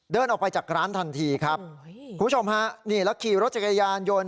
เดินออกไปจากร้านทันทีครับคุณผู้ชมฮะนี่แล้วขี่รถจักรยานยนต์